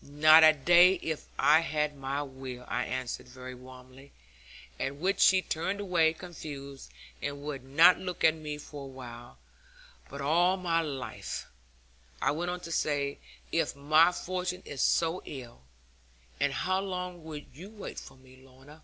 'Not a day if I had my will,' I answered very warmly; at which she turned away confused, and would not look at me for awhile; 'but all my life,' I went on to say, 'if my fortune is so ill. And how long would you wait for me, Lorna?'